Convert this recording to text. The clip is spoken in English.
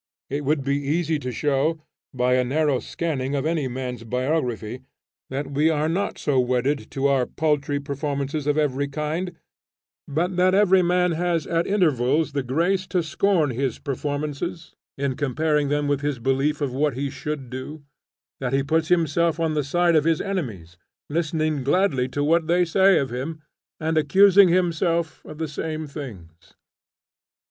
It would be easy to show, by a narrow scanning of any man's biography, that we are not so wedded to our paltry performances of every kind but that every man has at intervals the grace to scorn his performances, in comparing them with his belief of what he should do; that he puts himself on the side of his enemies, listening gladly to what they say of him, and accusing himself of the same things.